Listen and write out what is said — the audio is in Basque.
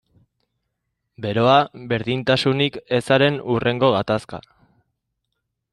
Beroa, berdintasunik ezaren hurrengo gatazka.